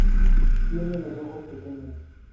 Tiene los ojos pequeños.